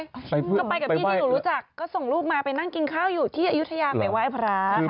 ก็ไปกับพี่ที่หนูรู้จักก็ส่งลูกมาไปนั่งกินข้าวอยู่ที่อายุทยาไปไหว้พระ